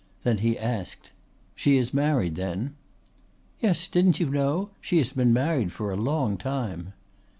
Then he asked: "She is married then?" "Yes, didn't you know? She has been married for a long time."